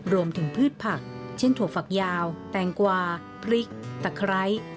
พืชผักเช่นถั่วฝักยาวแตงกวาพริกตะไคร้